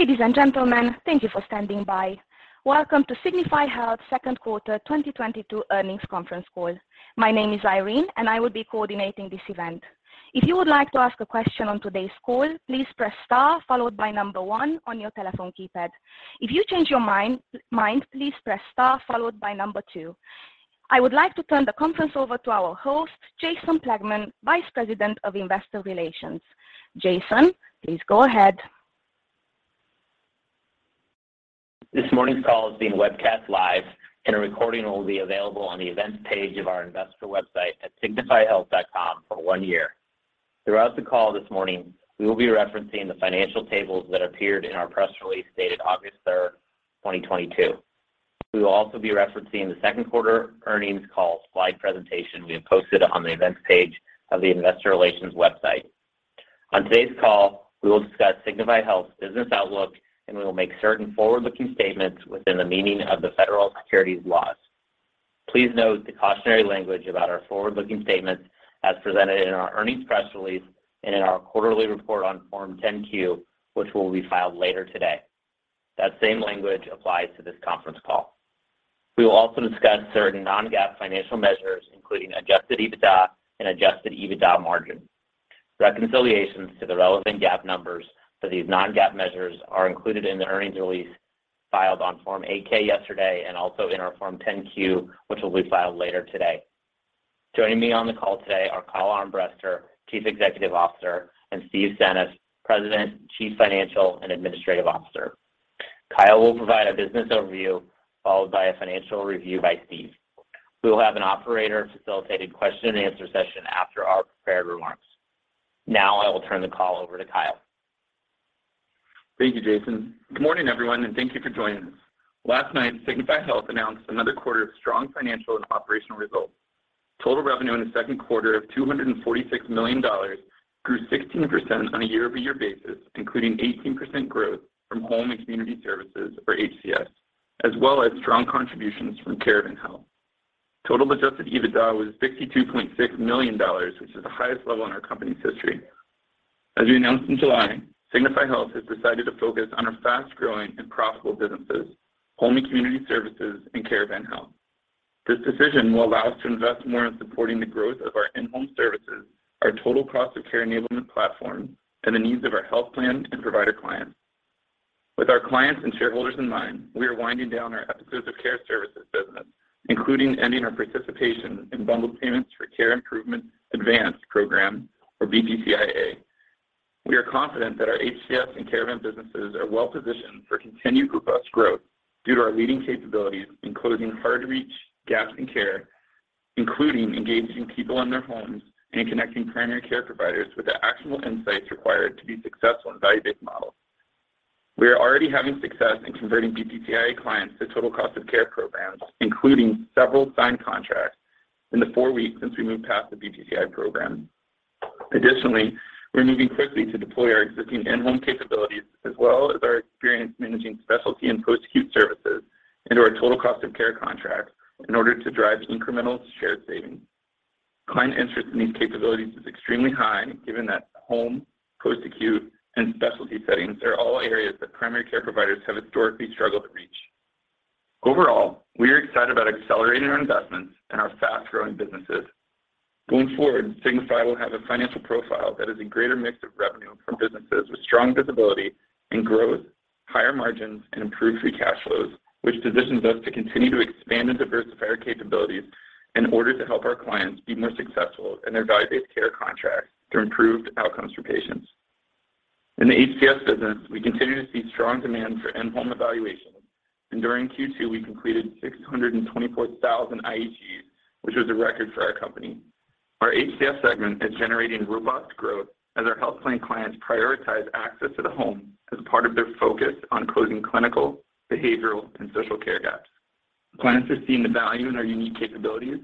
Ladies and gentlemen, thank you for standing by. Welcome to Signify Health's second quarter 2022 earnings conference call. My name is Irene, and I will be coordinating this event. If you would like to ask a question on today's call, please press star followed by 1 on your telephone keypad. If you change your mind, please press star followed by 2. I would like to turn the conference over to our host, Jason Plagman, Vice President of Investor Relations. Jason, please go ahead. This morning's call is being webcast live, and a recording will be available on the Events page of our investor website at signifyhealth.com for one year. Throughout the call this morning, we will be referencing the financial tables that appeared in our press release dated August third, 2022. We will also be referencing the second quarter earnings call slide presentation we have posted on the Events page of the investor relations website. On today's call, we will discuss Signify Health's business outlook, and we will make certain forward-looking statements within the meaning of the federal securities laws. Please note the cautionary language about our forward-looking statements as presented in our earnings press release and in our quarterly report on Form 10-Q, which will be filed later today. That same language applies to this conference call. We will also discuss certain non-GAAP financial measures, including adjusted EBITDA and adjusted EBITDA margin. Reconciliations to the relevant GAAP numbers for these non-GAAP measures are included in the earnings release filed on Form 8-K yesterday and also in our Form 10-Q, which will be filed later today. Joining me on the call today are Kyle Armbrester, Chief Executive Officer, and Steve Senneff, President, Chief Financial and Administrative Officer. Kyle will provide a business overview followed by a financial review by Steve. We will have an operator-facilitated question and answer session after our prepared remarks. Now I will turn the call over to Kyle. Thank you, Jason. Good morning, everyone, and thank you for joining us. Last night, Signify Health announced another quarter of strong financial and operational results. Total revenue in the second quarter of $246 million grew 16% on a year-over-year basis, including 18% growth from home and community services or HCS, as well as strong contributions from Caravan Health. Total adjusted EBITDA was $62.6 million, which is the highest level in our company's history. As we announced in July, Signify Health has decided to focus on our fast-growing and profitable businesses, home and community services and Caravan Health. This decision will allow us to invest more in supporting the growth of our in-home services, our total cost of care enablement platform, and the needs of our health plan and provider clients. With our clients and shareholders in mind, we are winding down our Episodes of Care Services business, including ending our participation in Bundled Payments for Care Improvement Advanced program or BPCI-A. We are confident that our HCS and Caravan businesses are well positioned for continued robust growth due to our leading capabilities in closing hard-to-reach gaps in care, including engaging people in their homes and connecting primary care providers with the actionable insights required to be successful in value-based models. We are already having success in converting BPCI-A clients to total cost of care programs, including several signed contracts in the four weeks since we moved past the BPCI-A program. Additionally, we're moving quickly to deploy our existing in-home capabilities as well as our experience managing specialty and post-acute services into our total cost of care contracts in order to drive incremental shared savings. Client interest in these capabilities is extremely high given that home, post-acute, and specialty settings are all areas that primary care providers have historically struggled to reach. Overall, we are excited about accelerating our investments and our fast-growing businesses. Going forward, Signify will have a financial profile that is a greater mix of revenue from businesses with strong visibility and growth, higher margins, and improved free cash flows, which positions us to continue to expand and diversify our capabilities in order to help our clients be more successful in their value-based care contracts through improved outcomes for patients. In the HCS business, we continue to see strong demand for in-home evaluations, and during Q2 we completed 624,000 IHEs, which was a record for our company. Our HCS segment is generating robust growth as our health plan clients prioritize access to the home as part of their focus on closing clinical, behavioral, and social care gaps. Clients are seeing the value in our unique capabilities,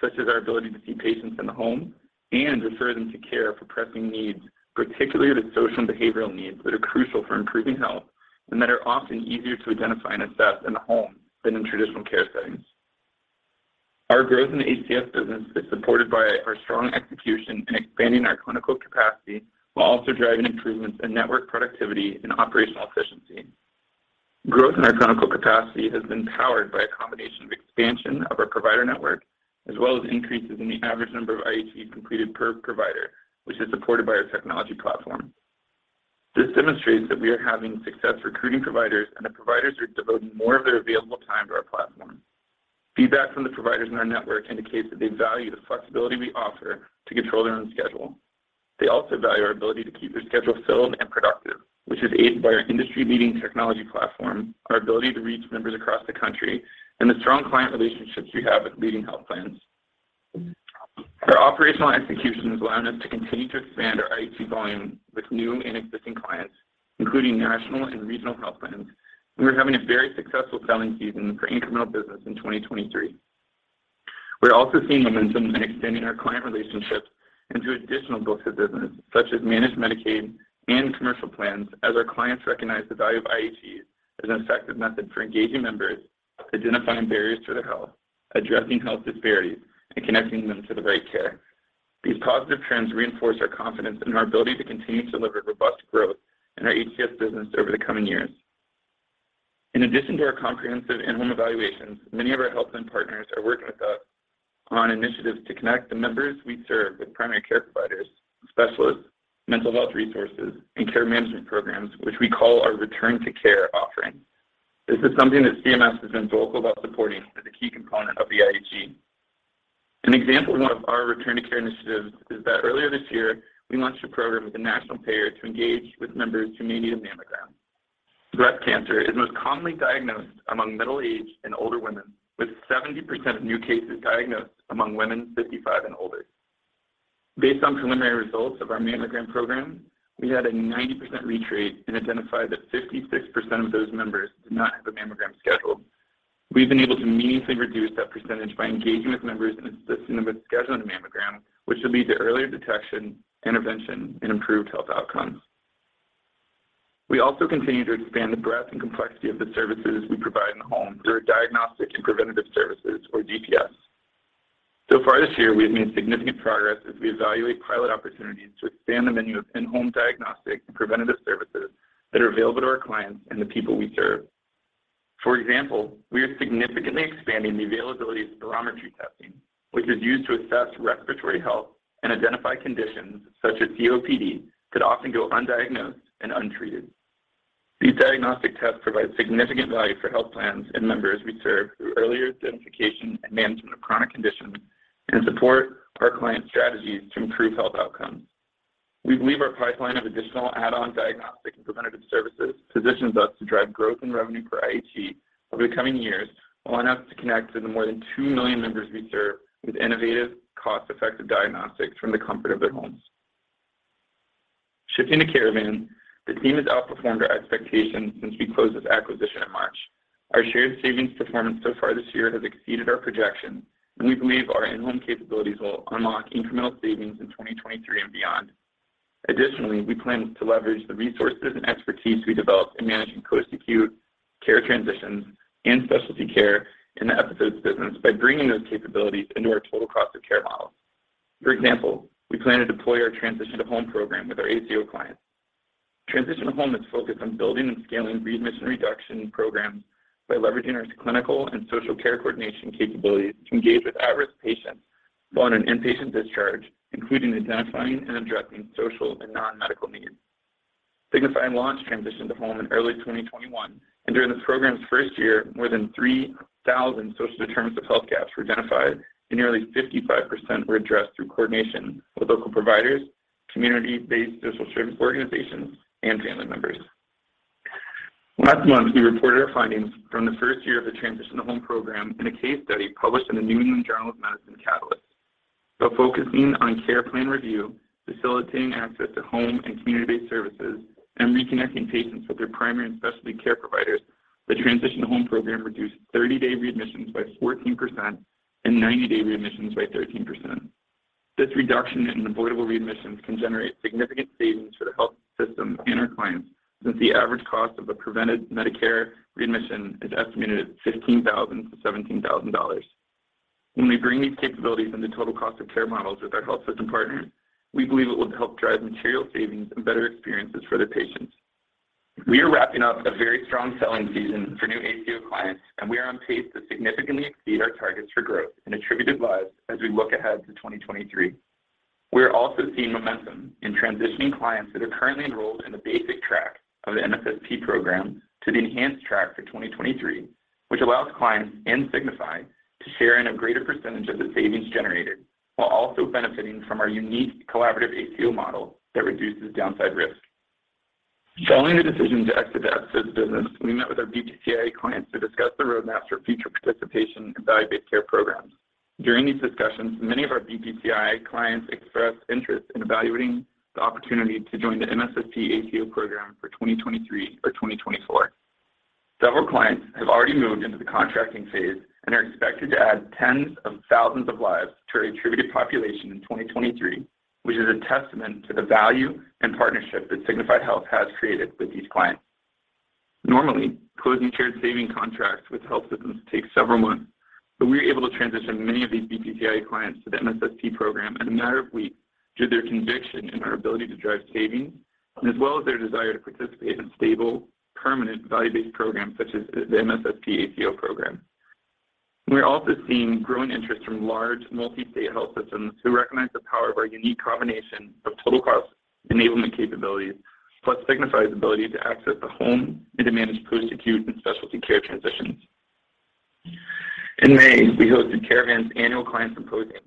such as our ability to see patients in the home and refer them to care for pressing needs, particularly the social and behavioral needs that are crucial for improving health and that are often easier to identify and assess in the home than in traditional care settings. Our growth in the HCS business is supported by our strong execution in expanding our clinical capacity while also driving improvements in network productivity and operational efficiency. Growth in our clinical capacity has been powered by a combination of expansion of our provider network as well as increases in the average number of IHEs completed per provider, which is supported by our technology platform. This demonstrates that we are having success recruiting providers and that providers are devoting more of their available time to our platform. Feedback from the providers in our network indicates that they value the flexibility we offer to control their own schedule. They also value our ability to keep their schedule filled and productive, which is aided by our industry-leading technology platform, our ability to reach members across the country, and the strong client relationships we have with leading health plans. Our operational execution has allowed us to continue to expand our IHE volume with new and existing clients, including national and regional health plans, and we're having a very successful selling season for incremental business in 2023. We're also seeing momentum in extending our client relationships into additional books of business, such as Managed Medicaid and commercial plans, as our clients recognize the value of IHEs as an effective method for engaging members, identifying barriers to their health, addressing health disparities, and connecting them to the right care. These positive trends reinforce our confidence in our ability to continue to deliver robust growth in our IHE business over the coming years. In addition to our comprehensive in-home evaluations, many of our health plan partners are working with us on initiatives to connect the members we serve with primary care providers, specialists, mental health resources, and care management programs, which we call our Return to Care offering. This is something that CMS has been vocal about supporting as a key component of the IHE. An example of one of our Return to Care initiatives is that earlier this year, we launched a program with a national payer to engage with members who may need a mammogram. Breast cancer is most commonly diagnosed among middle-aged and older women, with 70% of new cases diagnosed among women 55 and older. Based on preliminary results of our mammogram program, we had a 90% reach rate and identified that 56% of those members did not have a mammogram scheduled. We've been able to meaningfully reduce that percentage by engaging with members and assisting them with scheduling a mammogram, which will lead to earlier detection, intervention, and improved health outcomes. We also continue to expand the breadth and complexity of the services we provide in the home through our diagnostic and preventative services or DPS. So far this year, we have made significant progress as we evaluate pilot opportunities to expand the menu of in-home diagnostic and preventative services that are available to our clients and the people we serve. For example, we are significantly expanding the availability of spirometry testing, which is used to assess respiratory health and identify conditions such as COPD that often go undiagnosed and untreated. These diagnostic tests provide significant value for health plans and members we serve through earlier identification and management of chronic conditions and support our client strategies to improve health outcomes. We believe our pipeline of additional add-on diagnostic and preventative services positions us to drive growth in revenue for IHE over the coming years, allowing us to connect to the more than 2 million members we serve with innovative, cost-effective diagnostics from the comfort of their homes. Shifting to Caravan Health, the team has outperformed our expectations since we closed this acquisition in March. Our shared savings performance so far this year has exceeded our projections, and we believe our in-home capabilities will unlock incremental savings in 2023 and beyond. Additionally, we plan to leverage the resources and expertise we developed in managing post-acute care transitions and specialty care in the Episodes business by bringing those capabilities into our total cost of care model. For example, we plan to deploy our Transition to Home program with our ACO clients. Transition to Home is focused on building and scaling readmission reduction programs by leveraging our clinical and social care coordination capabilities to engage with at-risk patients on an inpatient discharge, including identifying and addressing social and non-medical needs. Signify launched Transition to Home in early 2021, and during this program's first year, more than 3,000 social determinants of health gaps were identified, and nearly 55% were addressed through coordination with local providers, community-based social service organizations, and family members. Last month, we reported our findings from the first year of the Transition to Home program in a case study published in the New England Journal of Medicine Catalyst. By focusing on care plan review, facilitating access to home and community services, and reconnecting patients with their primary and specialty care providers, the Transition to Home program reduced 30-day readmissions by 14% and 90-day readmissions by 13%. This reduction in avoidable readmissions can generate significant savings for the health system and our clients since the average cost of a prevented Medicare readmission is estimated at $15,000-$17,000. When we bring these capabilities into total cost of care models with our health system partners, we believe it will help drive material savings and better experiences for their patients. We are wrapping up a very strong selling season for new ACO clients, and we are on pace to significantly exceed our targets for growth and attributed lives as we look ahead to 2023. We are also seeing momentum in transitioning clients that are currently enrolled in the basic track of the MSSP program to the enhanced track for 2023, which allows clients and Signify to share in a greater percentage of the savings generated while also benefiting from our unique collaborative ACO model that reduces downside risk. Following the decision to exit the Episodes business, we met with our BPCI clients to discuss the roadmap for future participation in value-based care programs. During these discussions, many of our BPCI clients expressed interest in evaluating the opportunity to join the MSSP ACO program for 2023 or 2024. Several clients have already moved into the contracting phase and are expected to add tens of thousands of lives to our attributed population in 2023, which is a testament to the value and partnership that Signify Health has created with these clients. Normally, closing shared savings contracts with health systems takes several months, but we were able to transition many of these BPCI clients to the MSSP program in a matter of weeks due to their conviction in our ability to drive savings as well as their desire to participate in stable, permanent, value-based programs such as the MSSP ACO program. We're also seeing growing interest from large, multi-state health systems who recognize the power of our unique combination of total cost enablement capabilities, plus Signify's ability to access the home and to manage post-acute and specialty care transitions. In May, we hosted Caravan's annual client symposium.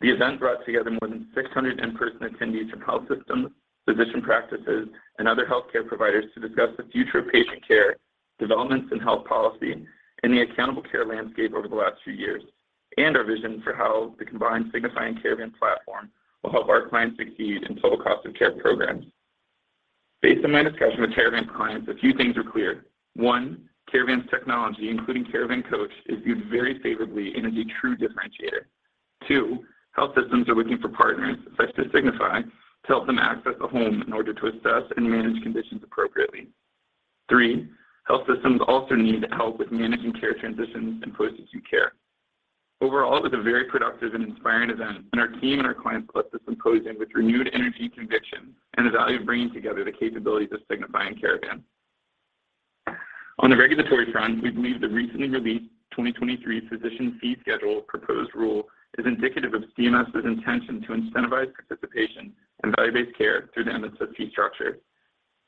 The event brought together more than 600 in-person attendees from health systems, physician practices, and other healthcare providers to discuss the future of patient care, developments in health policy, and the accountable care landscape over the last few years, and our vision for how the combined Signify and Caravan platform will help our clients succeed in total cost of care programs. Based on my discussion with Caravan clients, a few things are clear. One, Caravan's technology, including Caravan Coach, is viewed very favorably and is a true differentiator. Two, health systems are looking for partners such as Signify to help them access the home in order to assess and manage conditions appropriately. Three, health systems also need help with managing care transitions and post-acute care. Overall, it was a very productive and inspiring event, and our team and our clients left the symposium with renewed energy and conviction in the value of bringing together the capabilities of Signify and Caravan. On the regulatory front, we believe the recently released 2023 Physician Fee Schedule proposed rule is indicative of CMS's intention to incentivize participation in value-based care through the MSSP structure.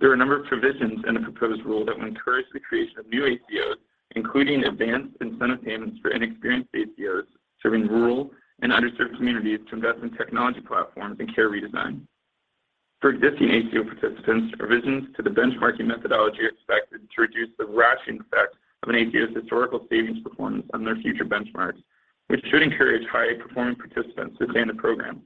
There are a number of provisions in the proposed rule that will encourage the creation of new ACOs, including advanced incentive payments for inexperienced ACOs serving rural and underserved communities to invest in technology platforms and care redesign. For existing ACO participants, revisions to the benchmarking methodology are expected to reduce the rationing effect of an ACO's historical savings performance on their future benchmarks, which should encourage high-performing participants to stay in the program.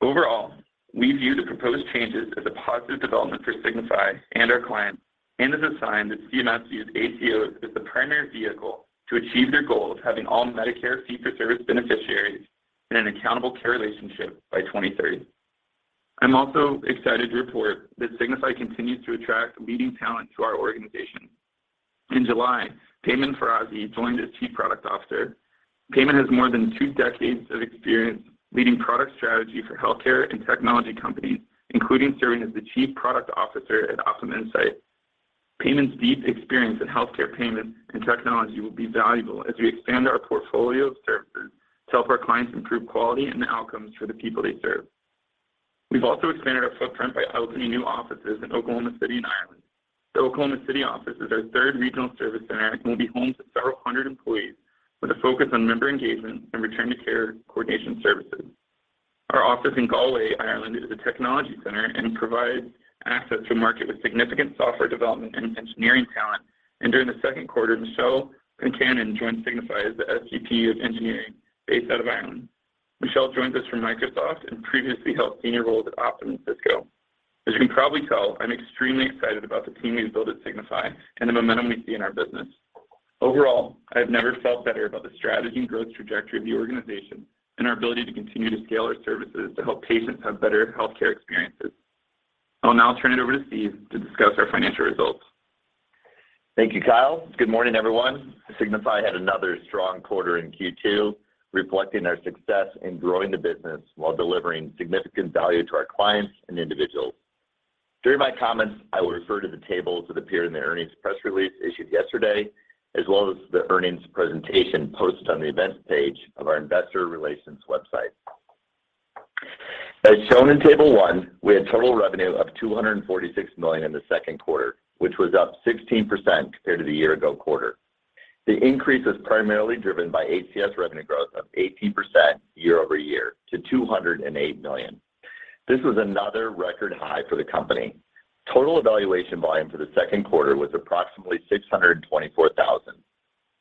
Overall, we view the proposed changes as a positive development for Signify and our clients and as a sign that CMS views ACOs as the primary vehicle to achieve their goal of having all Medicare fee-for-service beneficiaries in an accountable care relationship by 2030. I'm also excited to report that Signify continues to attract leading talent to our organization. In July, Paymon Farazi joined as Chief Product Officer. Paymon has more than two decades of experience leading product strategy for healthcare and technology companies, including serving as the Chief Product Officer at OptumInsight. Paymon's deep experience in healthcare payments and technology will be valuable as we expand our portfolio of services to help our clients improve quality and outcomes for the people they serve. We've also expanded our footprint by opening new offices in Oklahoma City and Ireland. The Oklahoma City office is our third regional service center and will be home to several hundred employees with a focus on member engagement and Return to Care coordination services. Our office in Galway, Ireland, is a technology center and provides access to a market with significant software development and engineering talent. During the second quarter, Michelle Concannon joined Signify Health as the SVP of Engineering based out of Ireland. Michelle joined us from Microsoft and previously held senior roles at Optum and Cisco. As you can probably tell, I'm extremely excited about the team we've built at Signify and the momentum we see in our business. Overall, I have never felt better about the strategy and growth trajectory of the organization and our ability to continue to scale our services to help patients have better healthcare experiences. I'll now turn it over to Steve to discuss our financial results. Thank you, Kyle. Good morning, everyone. Signify had another strong quarter in Q2, reflecting our success in growing the business while delivering significant value to our clients and individuals. During my comments, I will refer to the tables that appear in the earnings press release issued yesterday, as well as the earnings presentation posted on the events page of our investor relations website. As shown in Table 1, we had total revenue of $246 million in the second quarter, which was up 16% compared to the year ago quarter. The increase was primarily driven by HCS revenue growth of 18% year-over-year to $208 million. This was another record high for the company. Total evaluation volume for the second quarter was approximately 624,000.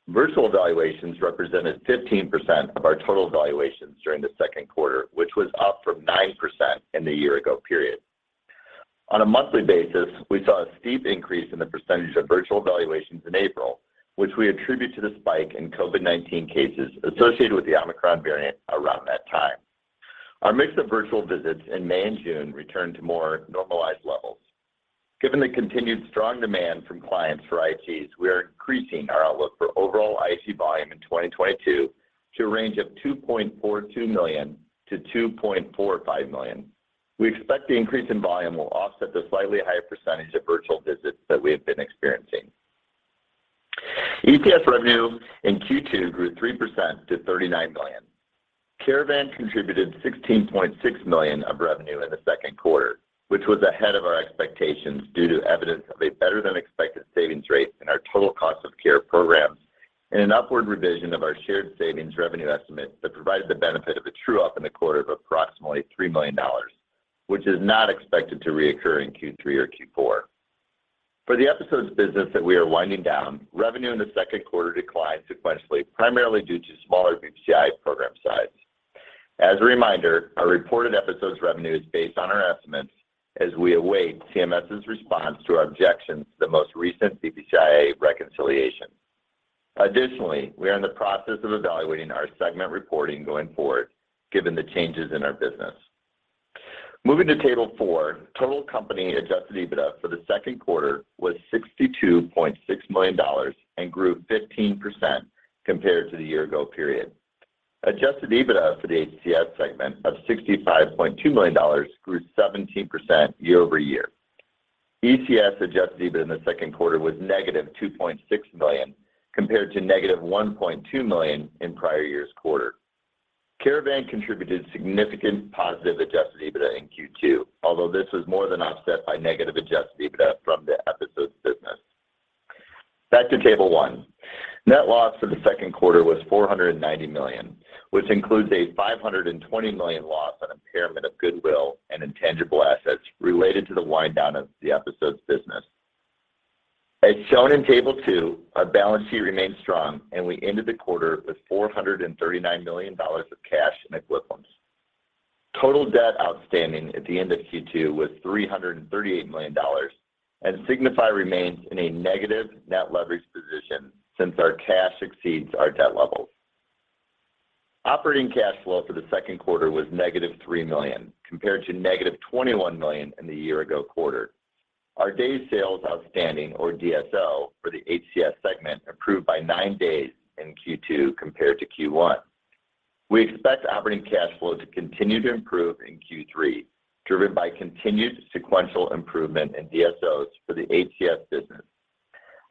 Virtual evaluations represented 15% of our total evaluations during the second quarter, which was up from 9% in the year ago period. On a monthly basis, we saw a steep increase in the percentage of virtual evaluations in April, which we attribute to the spike in COVID-19 cases associated with the Omicron variant around that time. Our mix of virtual visits in May and June returned to more normalized levels. Given the continued strong demand from clients for IHEs, we are increasing our outlook for overall IHE volume in 2022 to a range of $2.42 million-$2.45 million. We expect the increase in volume will offset the slightly higher percentage of virtual visits that we have been experiencing. HCS revenue in Q2 grew 3% to $39 million. Caravan contributed $16.6 million of revenue in the second quarter, which was ahead of our expectations due to evidence of a better-than-expected savings rate in our total cost of care programs and an upward revision of our shared savings revenue estimate that provided the benefit of a true-up in the quarter of approximately $3 million, which is not expected to reoccur in Q3 or Q4. For the Episodes business that we are winding down, revenue in the second quarter declined sequentially, primarily due to smaller BPCI program size. As a reminder, our reported Episodes revenue is based on our estimates as we await CMS's response to our objections to the most recent BPCI reconciliation. Additionally, we are in the process of evaluating our segment reporting going forward, given the changes in our business. Moving to table four, total company adjusted EBITDA for the second quarter was $62.6 million and grew 15% compared to the year-ago period. Adjusted EBITDA for the HCS segment of $65.2 million grew 17% year-over-year. ECS adjusted EBITDA in the second quarter was -$2.6 million, compared to -$1.2 million in prior year's quarter. Caravan contributed significant positive adjusted EBITDA in Q2, although this was more than offset by negative adjusted EBITDA from the Episodes business. Back to table one. Net loss for the second quarter was $490 million, which includes a $520 million loss on impairment of goodwill and intangible assets related to the wind down of the Episodes business. As shown in Table 2, our balance sheet remains strong, and we ended the quarter with $439 million of cash and equivalents. Total debt outstanding at the end of Q2 was $338 million, and Signify remains in a negative net leverage position since our cash exceeds our debt levels. Operating cash flow for the second quarter was -$3 million, compared to -$21 million in the year ago quarter. Our days sales outstanding, or DSO, for the HCS segment improved by 9 days in Q2 compared to Q1. We expect operating cash flow to continue to improve in Q3, driven by continued sequential improvement in DSOs for the HCS business.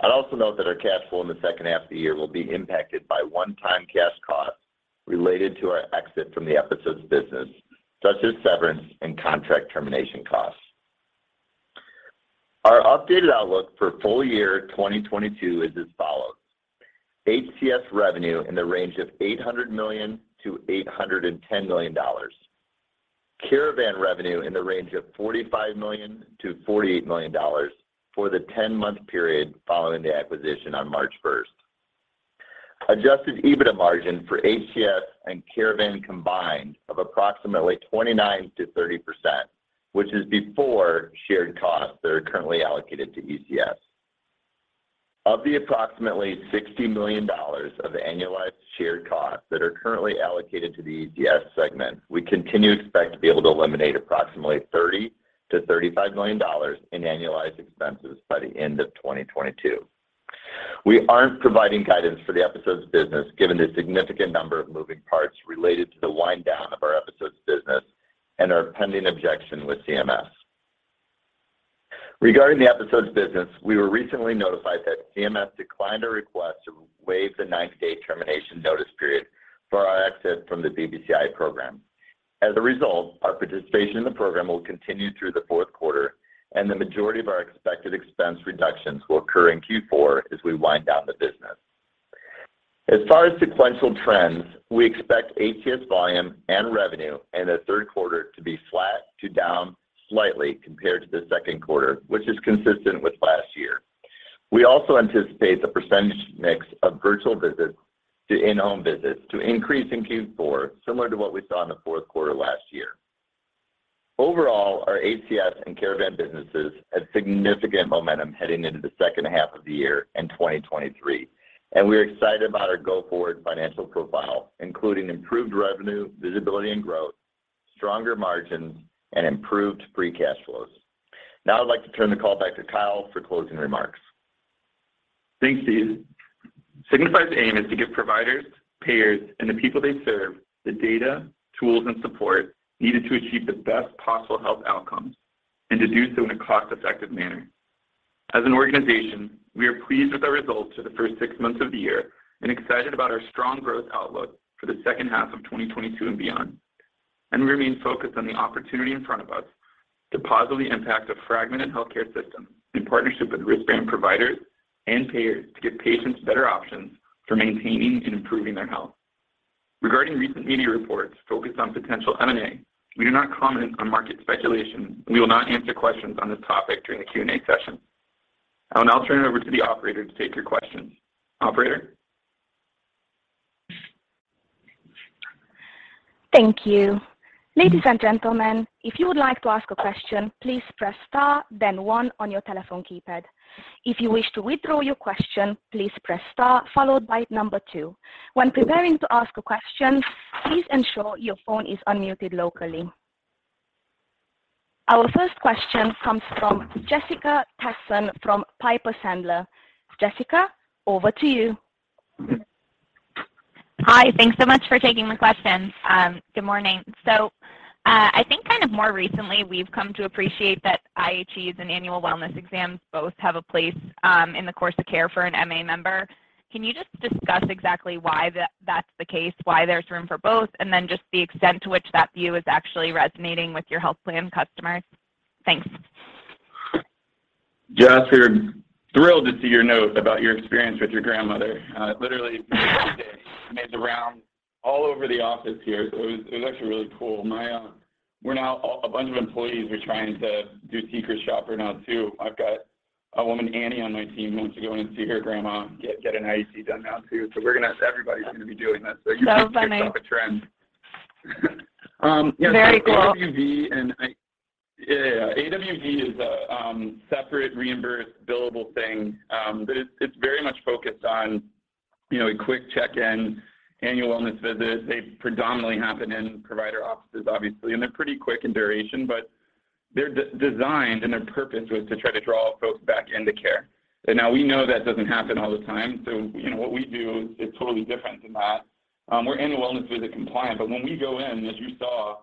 I'd also note that our cash flow in the second half of the year will be impacted by one-time cash costs related to our exit from the Episodes business, such as severance and contract termination costs. Our updated outlook for full year 2022 is as follows: HCS revenue in the range of $800 million-$810 million. Caravan revenue in the range of $45 million-$48 million for the ten-month period following the acquisition on March 1. Adjusted EBITDA margin for HCS and Caravan combined of approximately 29%-30%, which is before shared costs that are currently allocated to ECS. Of the approximately $60 million of annualized shared costs that are currently allocated to the ECS segment, we continue to expect to be able to eliminate approximately $30-$35 million in annualized expenses by the end of 2022. We aren't providing guidance for the Episodes business, given the significant number of moving parts related to the wind down of our Episodes business and our pending objection with CMS. Regarding the Episodes business, we were recently notified that CMS declined our request to waive the 90-day termination notice period for our exit from the BPCI program. As a result, our participation in the program will continue through the fourth quarter, and the majority of our expected expense reductions will occur in Q4 as we wind down the business. As far as sequential trends, we expect HCS volume and revenue in the third quarter to be flat to down slightly compared to the second quarter, which is consistent with last year. We also anticipate the percentage mix of virtual visits to in-home visits to increase in Q4, similar to what we saw in the fourth quarter last year. Overall, our HCS and Caravan businesses have significant momentum heading into the second half of the year in 2023, and we're excited about our go-forward financial profile, including improved revenue, visibility and growth, stronger margins, and improved free cash flows. Now I'd like to turn the call back to Kyle for closing remarks. Thanks, Steve. Signify's aim is to give providers, payers, and the people they serve the data, tools, and support needed to achieve the best possible health outcomes and to do so in a cost-effective manner. As an organization, we are pleased with our results for the first six months of the year and excited about our strong growth outlook for the second half of 2022 and beyond. We remain focused on the opportunity in front of us to positively impact a fragmented healthcare system in partnership with risk-bearing providers and payers to give patients better options for maintaining and improving their health. Regarding recent media reports focused on potential M&A, we do not comment on market speculation, and we will not answer questions on this topic during the Q&A session. I will now turn it over to the operator to take your questions. Operator? Thank you. Ladies and gentlemen, if you would like to ask a question, please press star then one on your telephone keypad. If you wish to withdraw your question, please press star followed by the number two. When preparing to ask a question, please ensure your phone is unmuted locally. Our first question comes from Jessica Tassan from Piper Sandler. Jessica, over to you. Hi. Thanks so much for taking the questions. Good morning. I think kind of more recently we've come to appreciate that IHEs and annual wellness exams both have a place in the course of care for an MA member. Can you just discuss exactly why that's the case, why there's room for both, and then just the extent to which that view is actually resonating with your health plan customers? Thanks. Jess, we are thrilled to see your note about your experience with your grandmother. It literally made the rounds all over the office here, so it was actually really cool. A bunch of employees are trying to do secret shopper now too. I've got a woman, Annie, on my team wants to go in and see her grandma get an IHE done now too, so we're going to. Everybody's going to be doing this. Funny. You've kicked off a trend. Yeah. Very cool. AWV is a separate reimbursed billable thing. But it's very much focused on, you know, a quick check-in annual wellness visit. They predominantly happen in provider offices, obviously, and they're pretty quick in duration, but they're designed and their purpose was to try to draw folks back into care. Now we know that doesn't happen all the time, you know, what we do is totally different than that. We're annual wellness visit compliant, but when we go in, as you saw,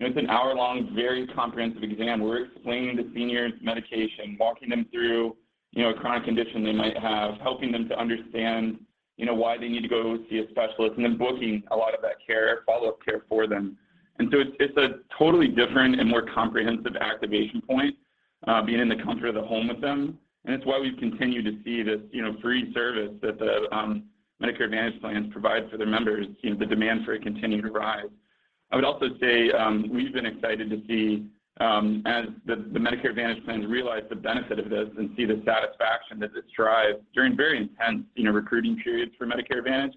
it's an hour-long, very comprehensive exam. We're explaining the senior's medication, walking them through, you know, a chronic condition they might have, helping them to understand, you know, why they need to go see a specialist, and then booking a lot of that care, follow-up care for them. It's a totally different and more comprehensive activation point, being in the comfort of the home with them, and it's why we've continued to see this, you know, free service that the Medicare Advantage plans provide for their members, you know, the demand for it continue to rise. I would also say, we've been excited to see, as the Medicare Advantage plans realize the benefit of this and see the satisfaction that this drives during very intense, you know, recruiting periods for Medicare Advantage.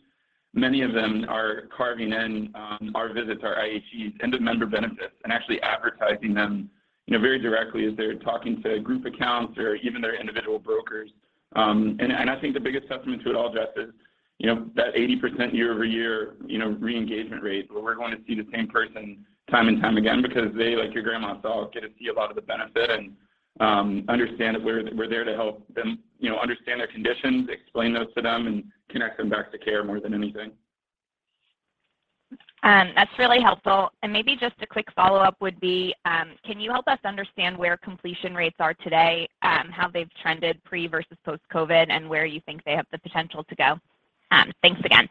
Many of them are carving in our visits, our IHEs into member benefits and actually advertising them, you know, very directly as they're talking to group accounts or even their individual brokers. I think the biggest testament to it all, Jess, is you know, that 80% year-over-year, you know, re-engagement rate where we're going to see the same person time and time again because they, like your grandma saw, get to see a lot of the benefit and understand that we're there to help them, you know, understand their conditions, explain those to them, and connect them back to care more than anything. That's really helpful. Maybe just a quick follow-up would be, can you help us understand where completion rates are today, how they've trended pre versus post COVID, and where you think they have the potential to go? Thanks again.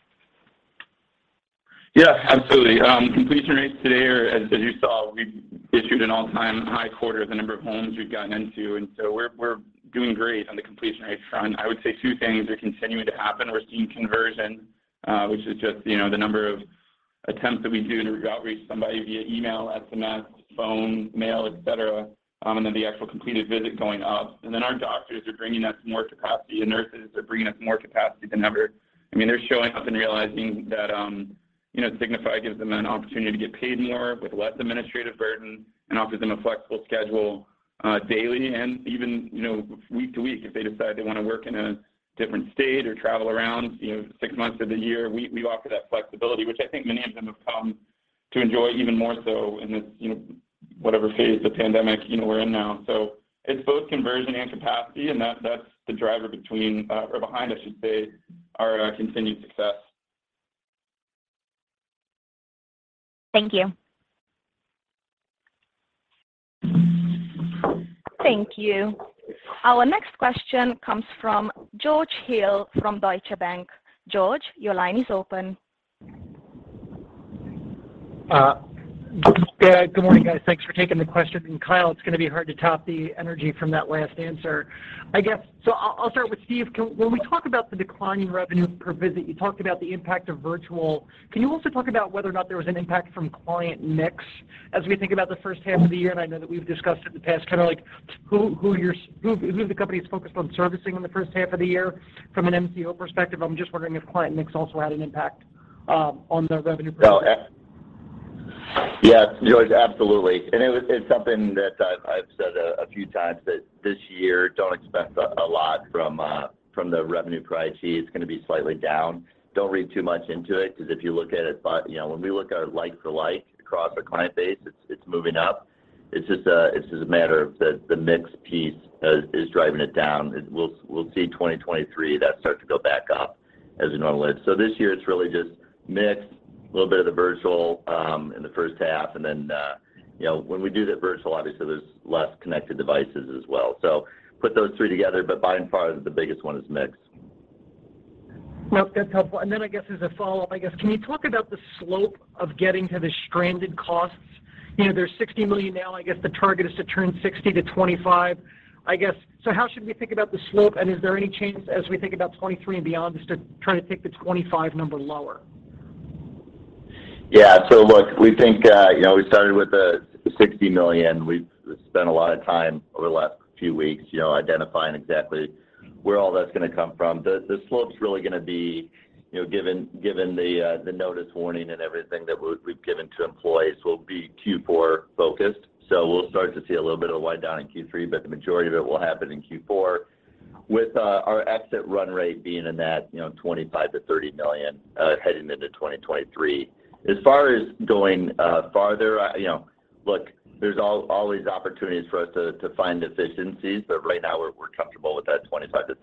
Yeah, absolutely. Completion rates today are, as you saw, we issued an all-time high quarter, the number of homes we've gotten into, and so we're doing great on the completion rates front. I would say two things are continuing to happen. We're seeing conversion, which is just, you know, the number of attempts that we do to outreach somebody via email, SMS, phone, mail, et cetera, and then the actual completed visit going up. Our doctors are bringing us more capacity and nurses are bringing us more capacity than ever. I mean, they're showing up and realizing that, you know, Signify gives them an opportunity to get paid more with less administrative burden and offers them a flexible schedule, daily and even, you know, week to week if they decide they wanna work in a different state or travel around, you know, six months of the year. We offer that flexibility, which I think many of them have come to enjoy even more so in this, you know, whatever phase of the pandemic, you know, we're in now. It's both conversion and capacity, and that's the driver behind, I should say, our continued success. Thank you. Thank you. Our next question comes from George Hill from Deutsche Bank. George, your line is open. Yeah. Good morning, guys. Thanks for taking the question. And Kyle, it's going to be hard to top the energy from that last answer. I guess, so I'll start with Steve. When we talk about the declining revenue per visit, you talked about the impact of virtual. Can you also talk about whether or not there was an impact from client mix as we think about the first half of the year? And I know that we've discussed in the past kinda like who the company is focused on servicing in the first half of the year from an MCO perspective. I'm just wondering if client mix also had an impact on the revenue per visit. Well, yeah, George, absolutely. It's something that I've said a few times that this year don't expect a lot from the revenue per IHE. It's going to be slightly down. Don't read too much into it because if you look at it by, you know, when we look at it like for like across our client base, it's moving up. It's just a matter of the mix piece is driving it down. We'll see 2023 that start to go back up as we normalize. This year it's really just mix, a little bit of the virtual in the first half, and then, you know, when we do that virtual, obviously there's less connected devices as well. Put those three together, but by far the biggest one is mix. Well, that's helpful. Then I guess as a follow-up, I guess, can you talk about the slope of getting to the stranded costs? You know, there's $60 million now. I guess the target is to turn $60 million to $25 million. I guess, so how should we think about the slope, and is there any chance as we think about 2023 and beyond just to try to take the $25 million number lower? Yeah. Look, we think, you know, we started with the $60 million. We've spent a lot of time over the last few weeks, you know, identifying exactly where all that's going to come from. The slope's really going to be, you know, given the notice warning and everything that we've given to employees, will be Q4 focused. We'll start to see a little bit of wind down in Q3, but the majority of it will happen in Q4 with our exit run rate being in that, you know, $25 million-$30 million heading into 2023. As far as going farther, you know, look, there's always opportunities for us to find efficiencies, but right now we're comfortable with that $25 million-$30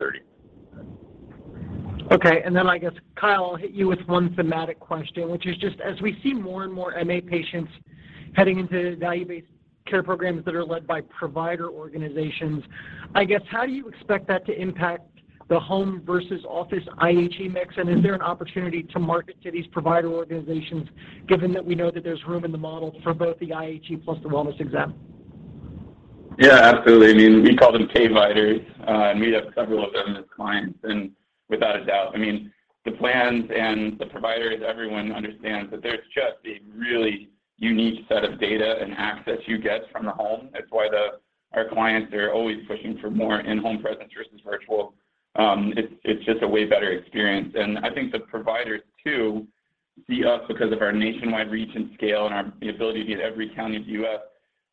million. Okay. I guess, Kyle, I'll hit you with one thematic question, which is just as we see more and more MA patients heading into value-based care programs that are led by provider organizations, I guess, how do you expect that to impact the home versus office IHE mix? Is there an opportunity to market to these provider organizations given that we know that there's room in the model for both the IHE plus the wellness exam? Yeah, absolutely. I mean, we call them payviders and we have several of them as clients. Without a doubt, I mean, the plans and the providers, everyone understands that there's just a really unique set of data and access you get from the home. That's why our clients are always pushing for more in-home presence versus virtual. It's just a way better experience. I think the providers too see us because of our nationwide reach and scale and the ability to hit every county in the U.S.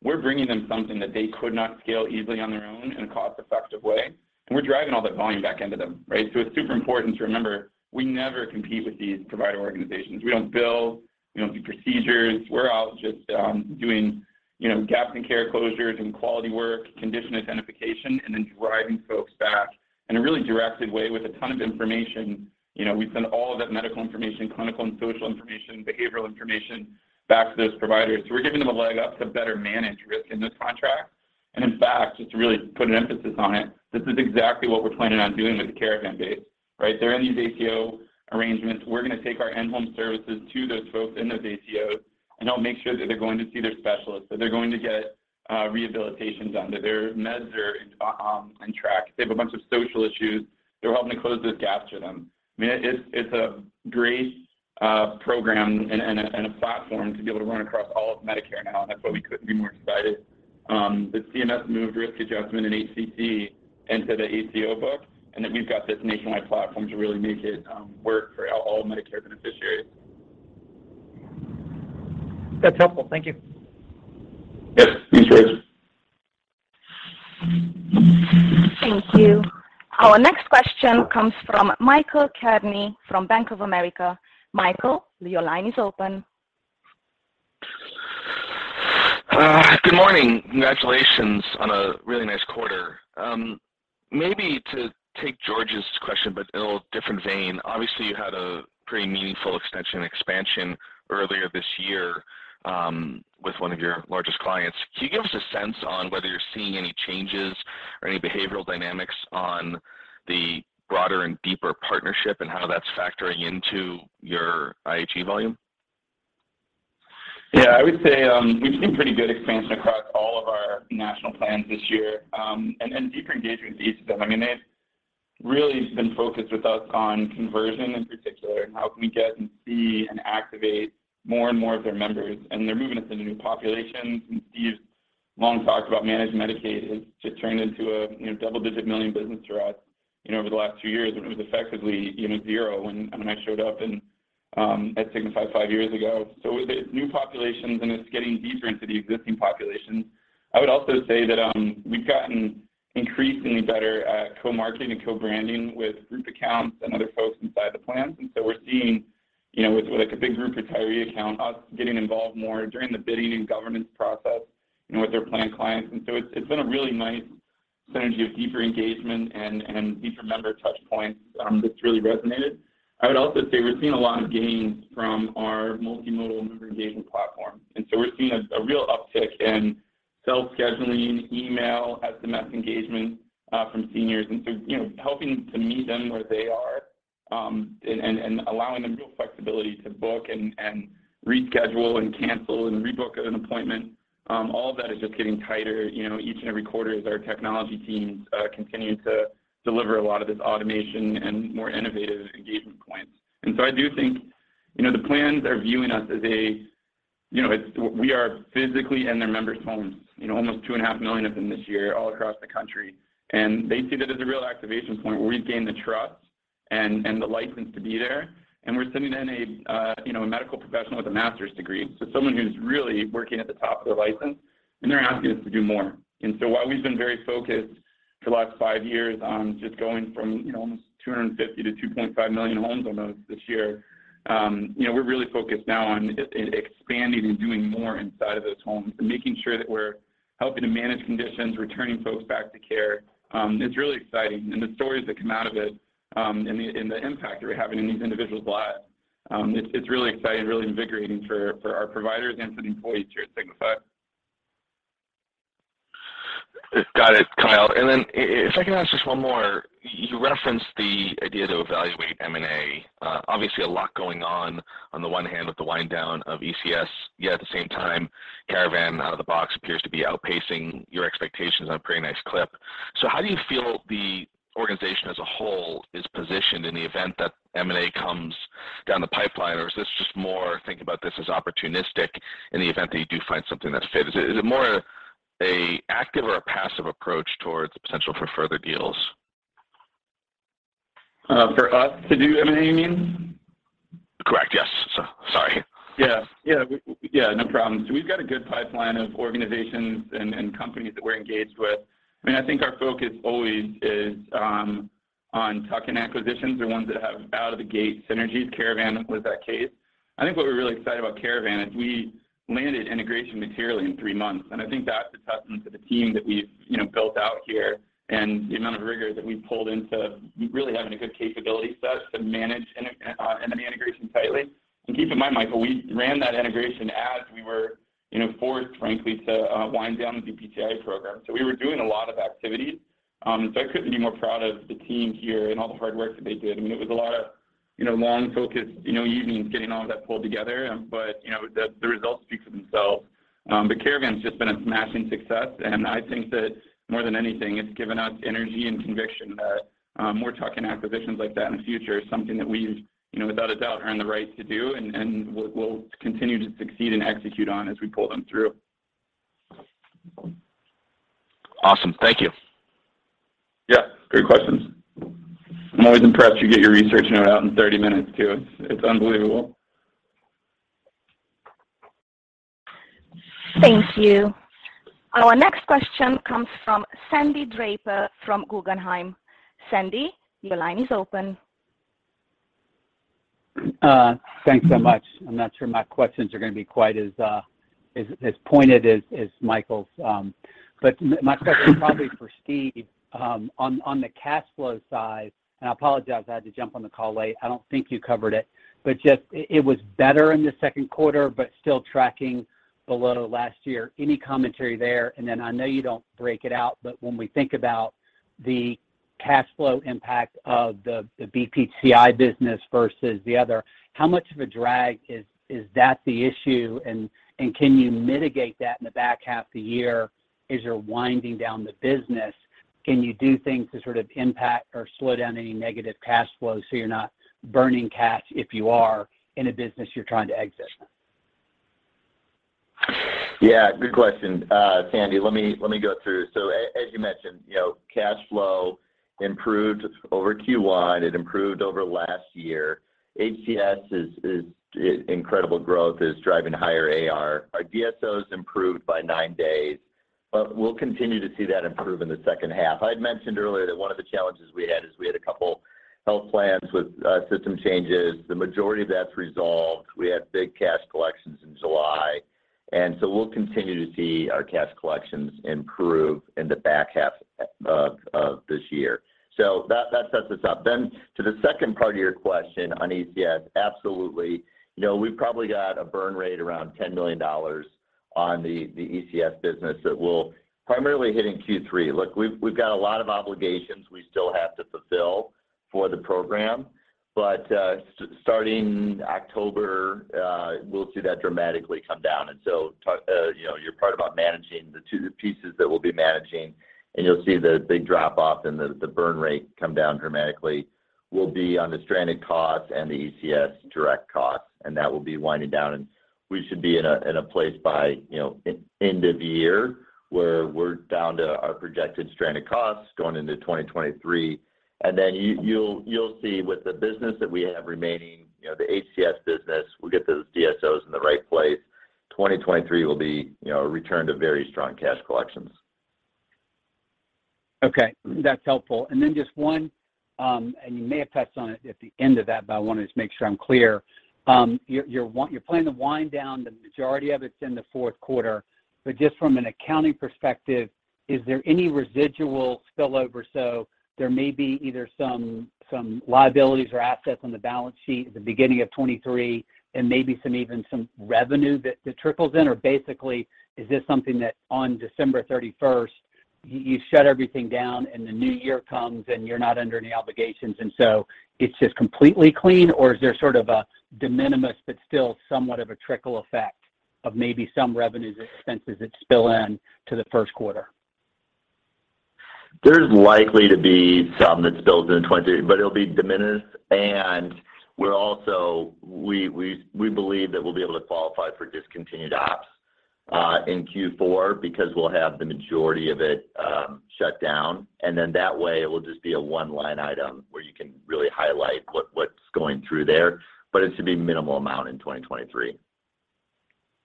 We're bringing them something that they could not scale easily on their own in a cost-effective way, and we're driving all that volume back into them, right? It's super important to remember, we never compete with these provider organizations. We don't bill. We don't do procedures. We're all just doing, you know, gaps in care closures and quality work, condition identification, and then driving folks back in a really directed way with a ton of information. You know, we send all of that medical information, clinical and social information, behavioral information back to those providers. We're giving them a leg up to better manage risk in this contract. In fact, just to really put an emphasis on it, this is exactly what we're planning on doing with the Caravan Health, right? They're in these ACO arrangements. We're going to take our in-home services to those folks in those ACOs, and they'll make sure that they're going to see their specialists, that they're going to get rehabilitations under their meds are on track. If they have a bunch of social issues, they're helping to close those gaps for them. I mean, it's a great program and a platform to be able to run across all of Medicare now, and that's why we couldn't be more excited. The CMS moved risk adjustment and HCC into the ACO book, and then we've got this nationwide platform to really make it work for all Medicare beneficiaries. That's helpful. Thank you. Yes. Thanks, George. Thank you. Our next question comes from Michael Cherny from Bank of America. Michael, your line is open. Good morning. Congratulations on a really nice quarter. Maybe to take George's question but in a little different vein, obviously you had a pretty meaningful extension expansion earlier this year with one of your largest clients. Can you give us a sense on whether you're seeing any changes or any behavioral dynamics on the broader and deeper partnership and how that's factoring into your IHE volume? Yeah, I would say, we've seen pretty good expansion across all of our national plans this year, and deeper engagement with each of them. I mean, they've really been focused with us on conversion in particular and how can we get and see and activate more and more of their members, and they're moving us into new populations. Steve has long talked about Managed Medicaid has just turned into a, you know, double-digit million business for us, you know, over the last two years when it was effectively, you know, zero when I showed up in at Signify five years ago. It's new populations, and it's getting deeper into the existing populations. I would also say that, we've gotten increasingly better at co-marketing and co-branding with group accounts and other folks inside the plans. We're seeing, you know, with like a big group retiree account, us getting involved more during the bidding and governance process, you know, with their plan clients. It's been a really nice synergy of deeper engagement and deeper member touch points that's really resonated. I would also say we're seeing a lot of gains from our multimodal member engagement platform. We're seeing a real uptick in self-scheduling, email, SMS engagement from seniors. You know, helping to meet them where they are and allowing them real flexibility to book and reschedule and cancel and rebook an appointment, all of that is just getting tighter, you know, each and every quarter as our technology teams continue to deliver a lot of this automation and more innovative engagement points. I do think, you know, the plans are viewing us as a, you know, we are physically in their members' homes, you know, almost 2.5 million of them this year all across the country. They see that as a real activation point where we've gained the trust and the license to be there, and we're sending in a, you know, a medical professional with a master's degree, so someone who's really working at the top of their license, and they're asking us to do more. While we've been very focused for the last five years on just going from, you know, almost 250,000 to 2.5 million homes almost this year, you know, we're really focused now on expanding and doing more inside of those homes and making sure that we're helping to manage conditions, returning folks back to care. It's really exciting. The stories that come out of it, and the impact that we're having in these individuals' lives, it's really exciting, really invigorating for our providers and for the employees here at Signify. Got it, Kyle. If I could ask just one more. You referenced the idea to evaluate M&A. Obviously a lot going on on the one hand with the wind down of ECS, yet at the same time, Caravan out of the box appears to be outpacing your expectations on a pretty nice clip. How do you feel the organization as a whole is positioned in the event that M&A comes down the pipeline? Or is this just more to think about this as opportunistic in the event that you do find something that fits? Is it more of an active or a passive approach towards the potential for further deals? For us to do M&A, you mean? Correct. Yes. Sorry. Yeah, no problem. We've got a good pipeline of organizations and companies that we're engaged with. I mean, I think our focus always is on tuck-in acquisitions or ones that have out of the gate synergies. Caravan was that case. I think what we're really excited about Caravan is we landed integration materially in 3 months, and I think that's a testament to the team that we've, you know, built out here and the amount of rigor that we pulled in to really having a good capability set to manage an M&A integration tightly. Keep in mind, Michael, we ran that integration as we were, you know, forced frankly to wind down the BPCI program. We were doing a lot of activity. I couldn't be more proud of the team here and all the hard work that they did. I mean, it was a lot of, you know, long, focused, you know, evenings getting all of that pulled together, but you know, the results speak for themselves. Caravan's just been a smashing success, and I think that more than anything it's given us energy and conviction that more tuck-in acquisitions like that in the future is something that we, you know, without a doubt are in the right to do and we'll continue to succeed and execute on as we pull them through. Awesome. Thank you. Yeah. Great questions. I'm always impressed you get your research note out in 30 minutes too. It's unbelievable. Thank you. Our next question comes from Sandy Draper from Guggenheim. Sandy, your line is open. Thanks so much. I'm not sure my questions are going to be quite as pointed as Michael's. My question is probably for Steve. On the cash flow side, I apologize I had to jump on the call late. I don't think you covered it, but it was better in the second quarter but still tracking below last year. Any commentary there? Then I know you don't break it out, but when we think about the cash flow impact of the BPCI business versus the other, how much of a drag is that the issue? Can you mitigate that in the back half of the year as you're winding down the business? Can you do things to sort of impact or slow down any negative cash flow so you're not burning cash if you are in a business you're trying to exit? Yeah, good question, Sandy. Let me go through. So as you mentioned, you know, cash flow improved over Q1, it improved over last year. HCS incredible growth is driving higher AR. Our DSOs improved by nine days, but we'll continue to see that improve in the second half. I'd mentioned earlier that one of the challenges we had is we had a couple health plans with system changes. The majority of that's resolved. We had big cash collections in July, and so we'll continue to see our cash collections improve in the back half of this year. So that sets us up. Then to the second part of your question on ECS, absolutely. You know, we've probably got a burn rate around $10 million on the ECS business that we'll primarily hit in Q3. Look, we've got a lot of obligations we still have to fulfill for the program, but starting October, we'll see that dramatically come down. You know, your part about managing the two pieces that we'll be managing, and you'll see the big drop off and the burn rate come down dramatically will be on the stranded costs and the ECS direct costs, and that will be winding down. We should be in a place by, you know, end of year where we're down to our projected stranded costs going into 2023. You'll see with the business that we have remaining, you know, the HCS business, we'll get those DSOs in the right place. 2023 will be, you know, a return to very strong cash collections. Okay, that's helpful. Then just one, and you may have touched on it at the end of that, but I wanted to make sure I'm clear. You're planning to wind down the majority of it in the fourth quarter, but just from an accounting perspective, is there any residual spillover? So there may be either some liabilities or assets on the balance sheet at the beginning of 2023 and maybe some revenue that trickles in? Or basically, is this something that on December thirty-first you shut everything down and the new year comes and you're not under any obligations, and so it's just completely clean? Or is there sort of a de minimis but still somewhat of a trickle effect of maybe some revenues or expenses that spill into the first quarter? There's likely to be some that spills into 2023. It'll be de minimis. We believe that we'll be able to qualify for discontinued ops in Q4 because we'll have the majority of it shut down. That way it will just be a one-line item where you can really highlight what's going through there. It should be minimal amount in 2023.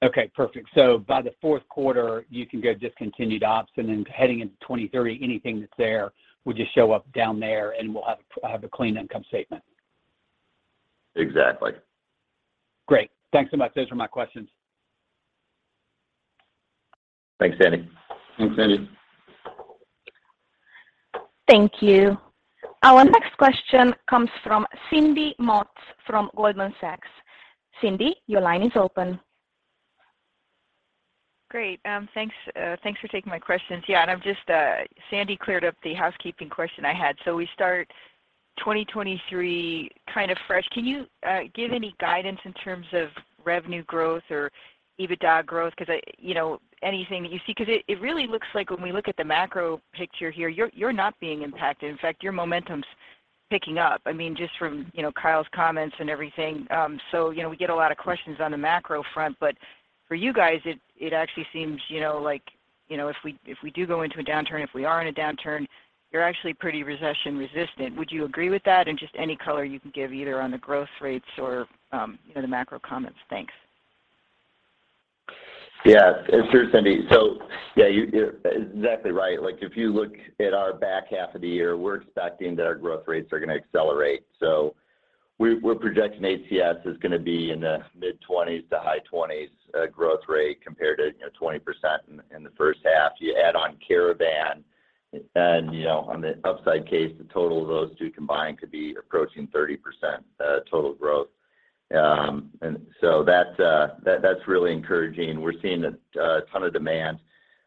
Okay, perfect. By the fourth quarter you can go discontinued ops, and then heading into 2023, anything that's there will just show up down there, and we'll have a clean income statement. Exactly. Great. Thanks so much. Those were my questions. Thanks, Sandy. Thank you. Our next question comes from Cindy Motz from Goldman Sachs. Cindy, your line is open. Great. Thanks for taking my questions. Yeah, and I've just Sandy cleared up the housekeeping question I had. We start 2023 kind of fresh. Can you give any guidance in terms of revenue growth or EBITDA growth? Because you know, anything that you see, because it really looks like when we look at the macro picture here, you're not being impacted. In fact, your momentum's picking up. I mean, just from, you know, Kyle's comments and everything. You know, we get a lot of questions on the macro front, but for you guys it actually seems, you know, like, you know, if we do go into a downturn, if we are in a downturn, you're actually pretty recession resistant. Would you agree with that? Just any color you can give either on the growth rates or, you know, the macro comments. Thanks. Yeah. Sure, Cindy. Yeah, you're exactly right. Like, if you look at our back half of the year, we're expecting that our growth rates are going to accelerate. We're projecting HCS is going to be in the mid-20s to high 20s growth rate compared to, you know, 20% in the first half. You add on Caravan and then, you know, on the upside case, the total of those two combined could be approaching 30%, total growth. That's really encouraging. We're seeing a ton of demand.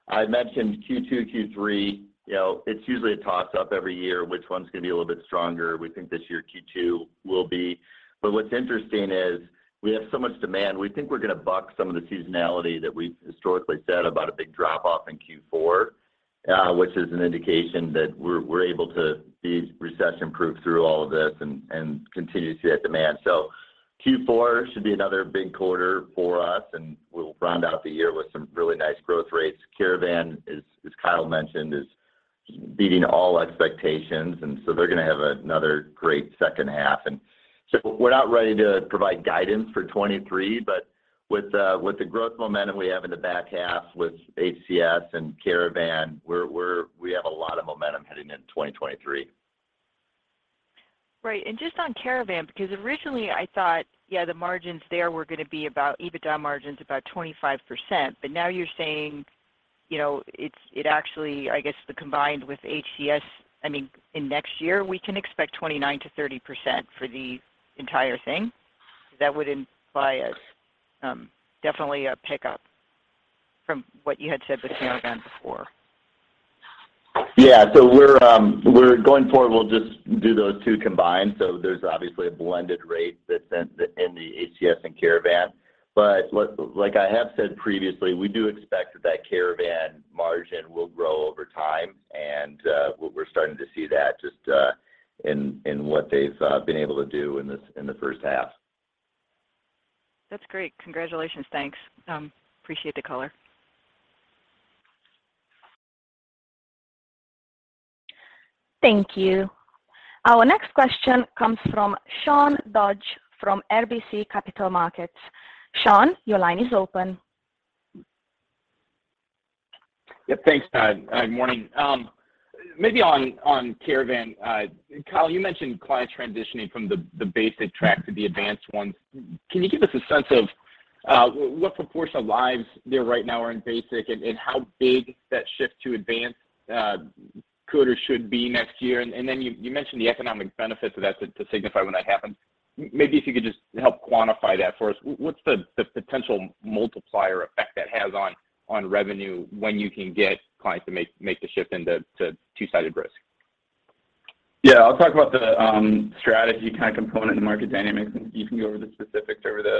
I mentioned Q2, Q3, you know, it's usually a toss-up every year which one's going to be a little bit stronger. We think this year Q2 will be. What's interesting is we have so much demand. We think we're going to buck some of the seasonality that we've historically said about a big drop off in Q4, which is an indication that we're able to be recession-proof through all of this and continue to see that demand. Q4 should be another big quarter for us, and we'll round out the year with some really nice growth rates. Caravan is, as Kyle mentioned, beating all expectations, and so they're going to have another great second half. We're not ready to provide guidance for 2023, but with the growth momentum we have in the back half with HCS and Caravan, we have a lot of momentum heading into 2023. Right. Just on Caravan, because originally I thought, yeah, the margins there were going to be about EBITDA margins about 25%. Now you're saying, you know, it actually, I guess, the combined with HCS, I mean, in next year, we can expect 29%-30% for the entire thing? Because that would imply a definitely a pickup from what you had said with Caravan before. Yeah. We're going forward, we'll just do those two combined. There's obviously a blended rate that's in the HCS and Caravan. But like I have said previously, we do expect that Caravan margin will grow over time. We're starting to see that just in what they've been able to do in the first half. That's great. Congratulations. Thanks. Appreciate the color. Thank you. Our next question comes from Sean Dodge from RBC Capital Markets. Sean, your line is open. Yeah, thanks. Morning. Maybe on Caravan, Kyle, you mentioned clients transitioning from the basic track to the advanced ones. Can you give us a sense of what proportion of lives there right now are in basic and how big that shift to advanced could or should be next year? And then you mentioned the economic benefits of that to Signify when that happens. Maybe if you could just help quantify that for us. What's the potential multiplier effect that has on revenue when you can get clients to make the shift into two-sided risk? Yeah. I'll talk about the strategy kind of component and the market dynamics, and you can go over the specifics over the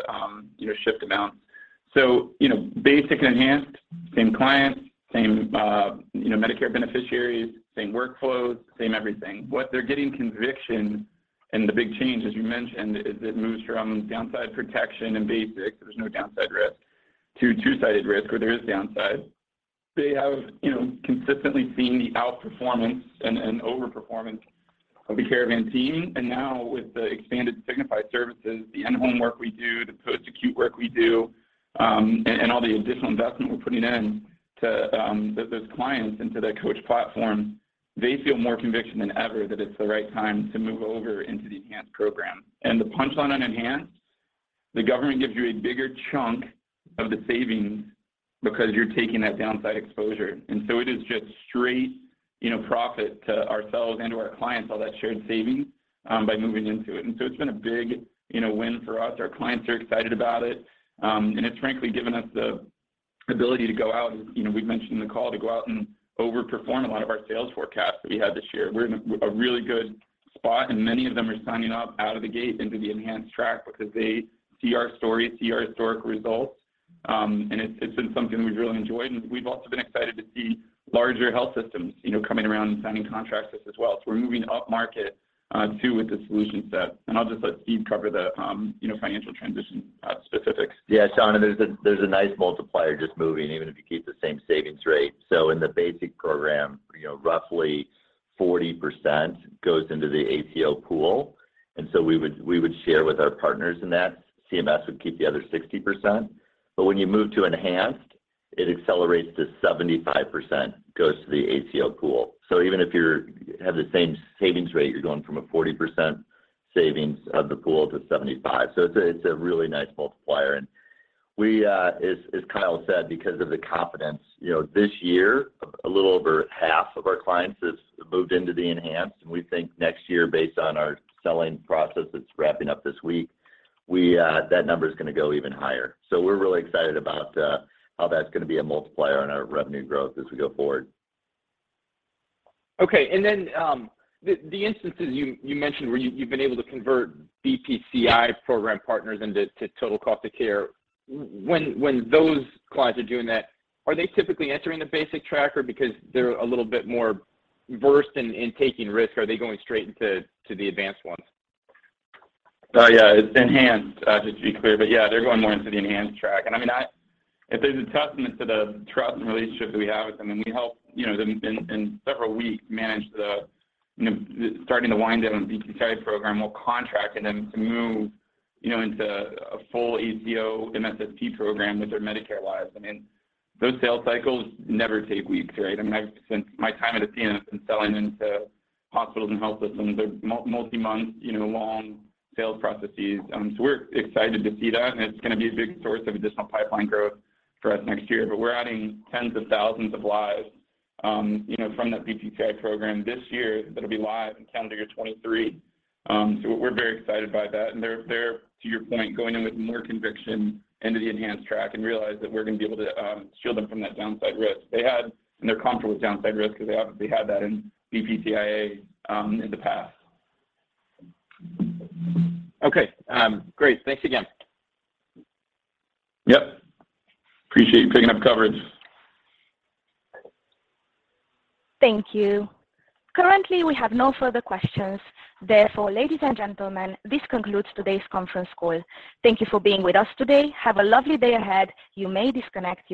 you know, shift amounts. You know, basic and enhanced, same clients, same you know, Medicare beneficiaries, same workflows, same everything. What they're getting, conviction, and the big change, as you mentioned, is it moves from downside protection in basic, there's no downside risk, to two-sided risk, where there is downside. They have you know, consistently seen the outperformance and overperformance of the Caravan team. Now with the expanded Signify services, the in-home work we do, the post-acute work we do, and all the additional investment we're putting in to those clients into that Caravan Coach, they feel more conviction than ever that it's the right time to move over into the enhanced program. The punchline on enhanced: the government gives you a bigger chunk of the savings because you're taking that downside exposure. It is just straight, you know, profit to ourselves and to our clients, all that shared savings by moving into it. It's been a big, you know, win for us. Our clients are excited about it. It's frankly given us the ability to go out and, you know, we've mentioned in the call to go out and overperform a lot of our sales forecasts that we had this year. We're in a really good spot, and many of them are signing up out of the gate into the enhanced track because they see our story, see our historic results. It's been something we've really enjoyed. We've also been excited to see larger health systems, you know, coming around and signing contracts with us as well. We're moving upmarket too with the solution set. I'll just let Steve cover the, you know, financial transition specifics. Yeah, Sean, there's a nice multiplier just moving, even if you keep the same savings rate. In the basic program, you know, roughly 40% goes into the ACO pool, and we would share with our partners in that. CMS would keep the other 60%. When you move to enhanced, it accelerates to 75% goes to the ACO pool. Even if you have the same savings rate, you're going from a 40% savings of the pool to 75%. It's a really nice multiplier. As Kyle said, because of the confidence, you know, this year, a little over half of our clients has moved into the enhanced, and we think next year, based on our selling process that's wrapping up this week, that number's going to go even higher. We're really excited about how that's going to be a multiplier on our revenue growth as we go forward. Okay. The instances you mentioned where you've been able to convert BPCI program partners into total cost of care, when those clients are doing that, are they typically entering the basic track or because they're a little bit more versed in taking risk, are they going straight into the advanced ones? Yeah, it's enhanced to be clear. Yeah, they're going more into the enhanced track. I mean, it is a testament to the trust and relationship that we have with them, and we help, you know, them in several weeks manage the, you know, starting to wind down a BPCI program. We'll contract and then move, you know, into a full ACO MSSP program with their Medicare lives. I mean, those sales cycles never take weeks, right? I mean, since my time at athenahealth has been selling into hospitals and health systems, they're multi-month, you know, long sales processes. We're excited to see that, and it's going to be a big source of additional pipeline growth for us next year. We're adding tens of thousands of lives from that BPCI program this year that'll be live in calendar year 2023. We're very excited by that. They're to your point, going in with more conviction into the enhanced track and realize that we're going to be able to shield them from that downside risk. They're comfortable with downside risk because they obviously had that in BPCI-A in the past. Okay. Great. Thanks again. Yep. Appreciate you picking up coverage. Thank you. Currently, we have no further questions. Therefore, ladies and gentlemen, this concludes today's conference call. Thank you for being with us today. Have a lovely day ahead. You may disconnect your-